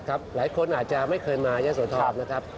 หลายคนอาจจะไม่เคยมายะโสธรนะครับ